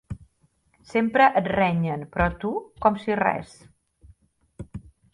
Sempre et renyen, però tu, com si res.